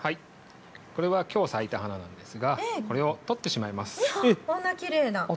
これはきょう咲いた花なんですがこれを取ってしまいます。